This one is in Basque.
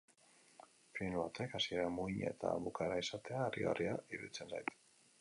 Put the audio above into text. Film batek hasiera, muina eta bukaera izatea harrigarria iruditzen zait.